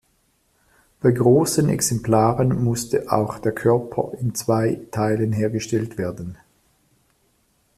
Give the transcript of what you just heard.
Bei großen Exemplaren musste auch der Körper in zwei Teilen hergestellt werden.